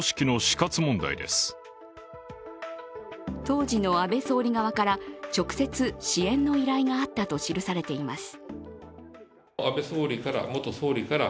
当時の安倍総理側から直接、支援の依頼があったと記されています。